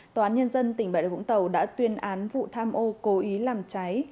tòa án nhân dân tp hcm đã tuyên án vụ tham ô cố ý làm trái